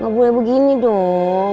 gak boleh begini dong